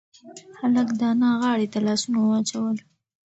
هلک د انا غاړې ته لاسونه واچول.